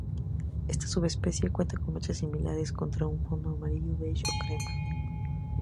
Esta subespecie cuenta con manchas similares contra un fondo amarillo beige o crema.